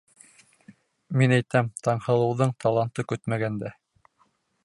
Мин әйтәм, Таңһылыуҙың таланты көтмәгәндә...